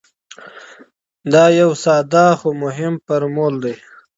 دا یو ساده خو مهم فرمول دی.